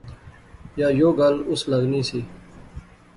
یا یو گل اس لغنی سی